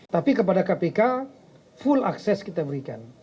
tapi kepada kpk full akses kita berikan